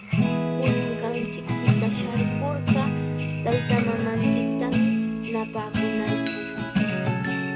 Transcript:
Puñunqanchikpita sharkurqa taytamamanchiktami napakunanchik.